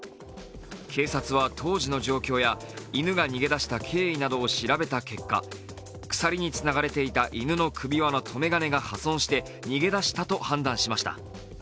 警察は当時の状況や犬が逃げ出した経緯などを調べた結果鎖につながれていた犬の首輪の留め金が破損して逃げ出したと判断しました。